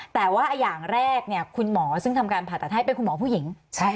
แต่ว่าอย่างแรกคุณหมอซึ่งทำการผ่าตัดให้เป็นคุณหมอผู้หญิง